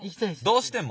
どうしても？